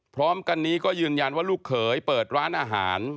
พร้อมกันนี้ก็ยืนยันว่าลูกเขยเปิดร้านอาหาร